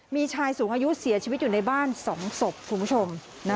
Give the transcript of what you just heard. มีชายสูงอายุเสียชีวิตอยู่ในบ้าน๒ศพคุณผู้ชม